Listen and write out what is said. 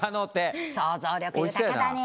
想像力豊かだね。